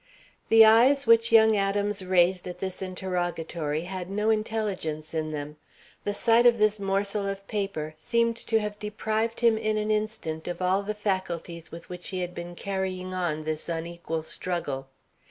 The eyes which young Adams raised at this interrogatory had no intelligence in them. The sight of this morsel of paper seemed to have deprived him in an instant of all the faculties with which he had been carrying on this unequal struggle.